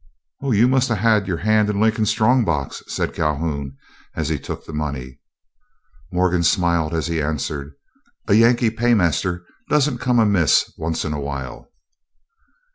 "Whew! you must have had your hand in Lincoln's strong box," said Calhoun, as he took the money. Morgan smiled as he answered: "A Yankee paymaster don't come amiss once in a while."